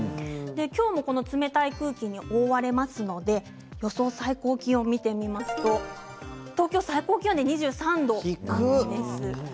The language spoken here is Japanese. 今日もこの冷たい空気に覆われますので、予想最高気温を見てみますと東京、最高気温で２３度です。